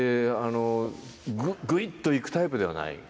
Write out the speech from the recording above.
ぐいっといくタイプではない。